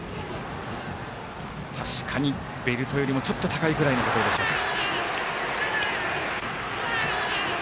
確かに、ベルトよりもちょっと高いぐらいのところでしょうか。